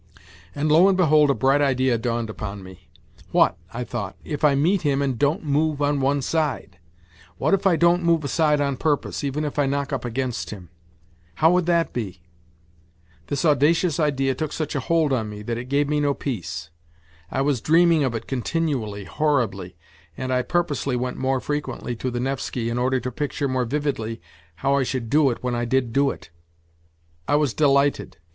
And lo and behold a bright idea dawned upon me !" What," I thought, " if I meet him and don't move on one side ? What if I don't move aside on purpose, even if I knock up against him ? How would that be ?" This audacious idea took such a hold on me that it gave me no peace. I was dreaming of it continually, horribly, and I purposely went more frequently to the Nevsky in order to picture more vividly how I should do it when I did do it. I was delighted.